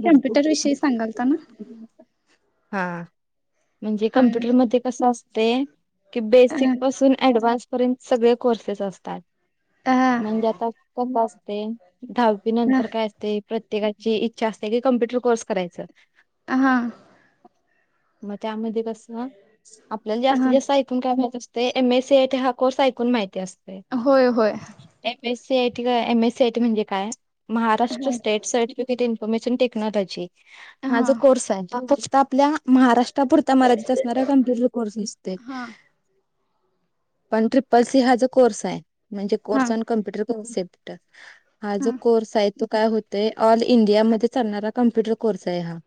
Computer विषयी सांगालताना? हा, म्हणजे हा कम्प्युटर म कस असतय? कि बेसिक पासून ऑडव्हान्स पर्यंत सगळे कोर्सेस असतात. अ म्हणजे आता कस असते? दहावी नंतर काय असते? प्रत्येका ची इच्छा असते की कम्प्युटर कोर्स करायचा. हा. म त्यामध्ये कस, आपल्याला जास्तीत हा जास्त ऐकून काय माहीत असते? एम एसी एटी हा कोर्स ऐकून माहिती असते. होय होय. M S C IT M S C IT म्हणजे काय? महाराष्ट्र हा स्टेट सा इन्फॉर्मेशन टेक्नॉलॉजी हा जो कोर्स आहे. तो फक्त आपल्या महाराष्ट्र टा. पुरता मर्यादित असणारा गंभीर कोर्स दिसते. हा पण ट्रिपल सी हा जो कोर्स हाय. म्हणजे हा कोर्स ऑन कम्प्युटर कॉन्सेप्ट. हा जो कोर्स आहे. तो काय होतय. ऑल इंडियामध्ये चालणारा कम्प्युटर कोर्स आहे हा.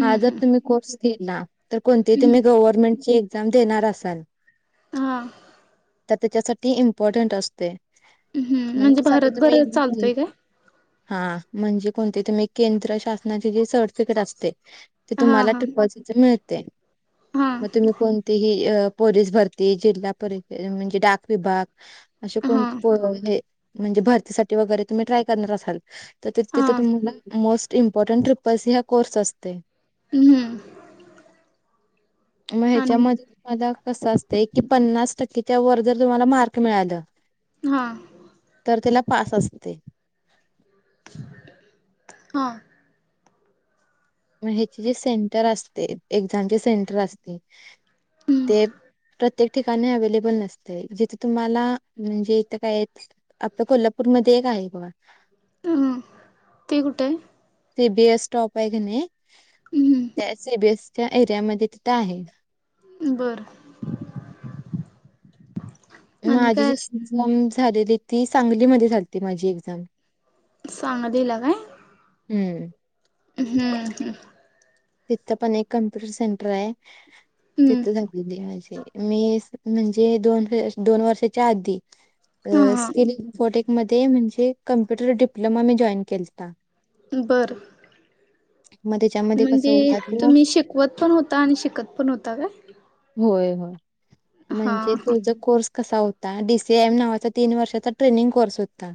हा जर हम्म तुम्ही केला? तर कोणती तुम्ही गव्हर्नमेंटची एक्झाम देणार असाल हा. तर त्याच्यासाठी इंपॉर्टन्ट असतोय. हम्म, म्हणजे भारत भरात चालतंय काय? हा म्हणजे कोणते तुम्ही केंद्र शासनाची जे सर्टिफिकेट असतय ते हा तुम्हाला हा [unintelligible] मिळते, हा मग तुम्ही कोणतीही पोलीस भरती, जिल्हा परिषद म्हणजे डाक विभाग. अशे हा कोण पो हे म्हणजे भरतीसाठी वगैरे, तुम्ही ट्राय करणार असाल? ते- हा तिथं तुम्हाला मोस्ट इंपॉर्टन्ट ट्रिपलसी हा कोर्स असतोय. हम्म हं. मग ह्याच्यामध्ये तुम्हाला कस असत की, पन्नास टक्केच्या वर जर तुम्हाला मार्क मिळाल हा. तर त्याला पास असतय. हा. मग ह्याचे जे सेंटर असतय, एक्झामचे सेंटर असतय. हम्म ते प्रत्येक ठिकाणी अवेलेबल नसतय. जिथे तुम्हाला म्हणजे इथं काय य आपता कोल्हापूरमध्ये एक आहे बघ. ती कुठय? सी बी एस स्टॉप आहे क नाही. हम्म त्या सी बी एस च्या एरियामध्ये तिथं आहे. बरं. आणि माझी जी काय एक्झाम झालेली ती, सांगलीमध्ये झालती माझी एक्झांम. सांगलीला काय? हम्म. हम्म, हम्म. तिथं पण एक कम्प्युटर सेंटर आहे, हम्म तिथं झालेली माझी मी म्हणजे दोन दोन वर्षाच्या आधी. हा हा स्कील इन्फोटेक मध्ये म्हणजे कम्प्युटर डिप्लोमा मी जॉईन केलता. बरं. मग त्याच्या म्हणजे तुम्ही शिकवत पण होता? आणि शिकत पण होता काय? होय होय, हा म्हणजे हा तो जो कोर्स कसा होता, डी सी एम नावाचा तीन वर्षाचा ट्रेनिंग कोर्स होता.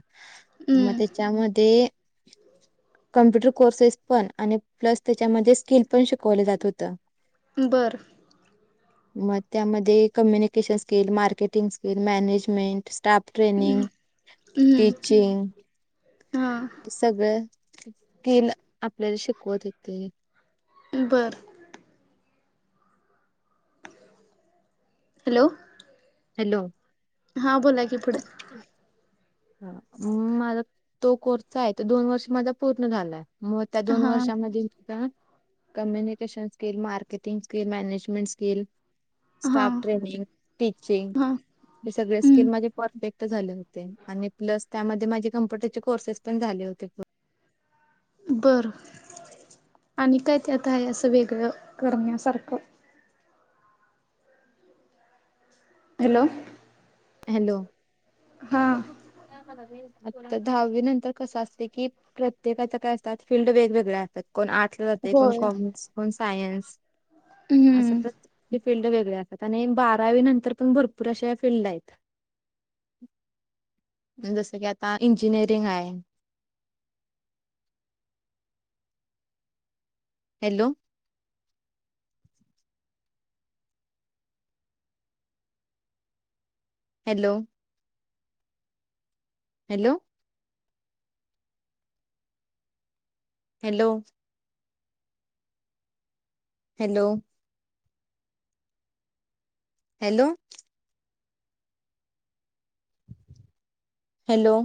मग हम्म त्याच्यामध्ये कम्प्युटर कोर्सेस पण, आणि प्लस त्याच्यामध्ये स्किल पण शिकवले जात होतं. बरं. मग त्यामध्ये communication skill, marketing skill, managements staff training, हम्म टीचिंग. हा सगळं स्कील आपल्याला शिकवत होते. बरं. हॅलो. हॅलो. हा बोला की, पुढं. हा माझा तो कोर्स आहे, तो दोन वर्ष माझा पूर्ण झालाय. मग त्या दोन हा वर्षामध्ये इतका communication skill, marketing skill, management skill हा स्टाफ ट्रेनिंग, टीचिंग हा हे सगळे स्किल हम्म माझे परफेक्ट झाले होते. आणि प्लस त्यामध्ये माझे कम्प्युटरचे कोर्सेस पण झाले होते पूर्ण. बर. आणि काय त्यात आहे असं वेगळं करण्यासारखं? हॅलो. हॅलो. हा आत्ता दहावी नंतर कसं असतय की प्रत्येकाचं काय असतात फील्ड वेगवेगळ्या असतात कोण आर्ट- -सला जातयं. कोण होय कॉमर्स. कोण सायन्स. हूं. असं प्रत्येकी फील्ड वेगळया असतात. आणि बारावी नंतर पण भरपूर अशा फिल्ड आहेत. जसं कि आता इंजिनिअरिंग आहे. Hello. Hello. Hello. Hello. Hello. Hello. Hello.